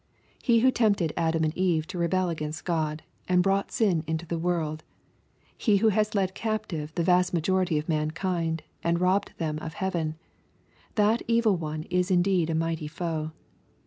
He who tempted Adam and Eve to rebel against God, and brought sin into the world, — ^he who has led captive the vast majority of mankind, and robbed them of heaven ; that evil one is indeed a mighty foe.